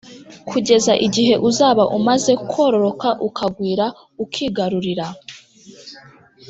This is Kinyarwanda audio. Kugeza igihe uzaba umaze kororoka ukagwira ukigarurira